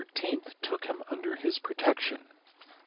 took him under his protection.